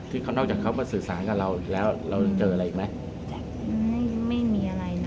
ซึ่งเขานอกจากเขามาสื่อสารกับเราแล้วเรายังเจออะไรอีกไหมไม่ไม่มีอะไรนะ